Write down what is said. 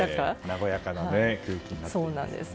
和やかな空気になっていますね。